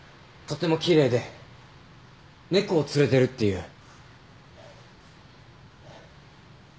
とっても奇麗で猫を連れてるっていう。